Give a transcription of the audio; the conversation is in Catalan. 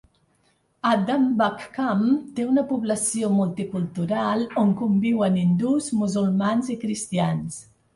Adambakkam té una població multicultural on conviuen hindús, musulmans i cristians.